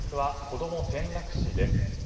子供転落死です。